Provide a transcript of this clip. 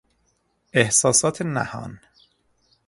احساسات نهان